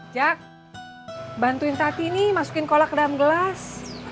jak bantuin tati nih masukin kolak dalam gelas